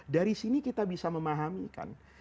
dari sini kita bisa memahamikan